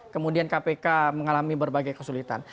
kemudian kpk mengalami berbagai kesulitan